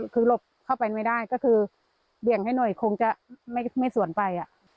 คือหลบเข้าไปไม่ได้ก็คือเบี่ยงให้หน่อยคงจะไม่สวนไป